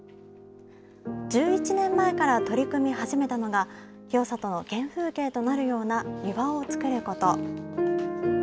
１１年前から取り組み始めたのが、清里の原風景となるような庭を造ること。